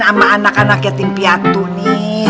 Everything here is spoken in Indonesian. sama anak anak yatim piatu nih